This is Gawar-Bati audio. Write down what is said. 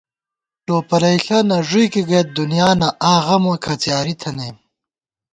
ٹوپَلئیݪہ نہ ݫُوئیکےگئیت دُنیانہ، آں غَمہ کھڅیاری تھنَئیم